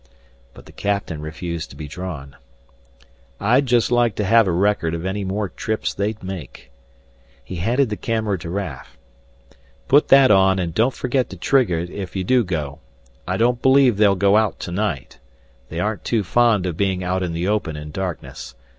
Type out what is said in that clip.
But the captain refused to be drawn. "I'd just like to have a record of any more trips they make." He handed the camera to Raf. "Put that on and don't forget to trigger it if you do go. I don't believe they'll go out tonight. They aren't too fond of being out in the open in darkness.